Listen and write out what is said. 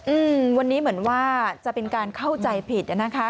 อืมวันนี้เหมือนว่าจะเป็นการเข้าใจผิดอ่ะนะคะ